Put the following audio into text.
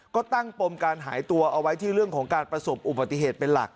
ก็ตั้งปมการหายตัวเอาไว้ที่เรื่องของการประสบอุบัติเหตุเป็นหลัก